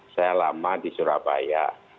saya lama di surabaya